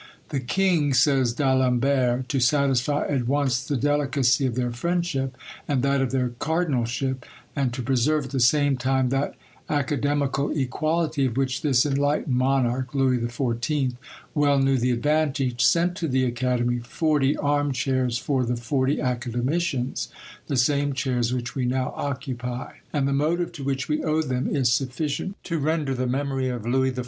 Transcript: "The king," says D'Alembert, "to satisfy at once the delicacy of their friendship, and that of their cardinalship, and to preserve at the same time that academical equality, of which this enlightened monarch (Louis XIV.) well knew the advantage, sent to the Academy forty arm chairs for the forty academicians, the same chairs which we now occupy; and the motive to which we owe them is sufficient to render the memory of Louis XIV.